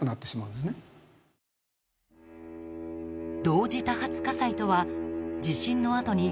同時多発火災とは地震のあとに